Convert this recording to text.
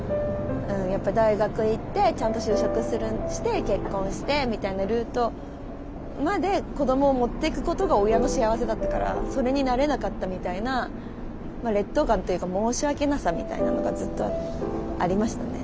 やっぱ大学行ってちゃんと就職して結婚してみたいなルートまで子どもを持っていくことが親の幸せだったからそれになれなかったみたいなまあ劣等感というか申し訳なさみたいなのがずっとありましたね